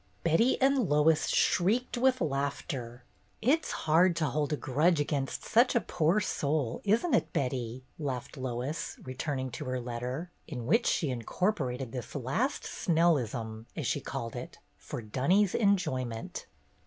" Betty and Lois shrieked with laughter. " It 's hard to hold a grudge against such a poor soul, isn't it, Betty?" laughed Lois, returning to her letter, in which she incorpo rated this last "Snellism," as she called it, for Dunny's enjoyment.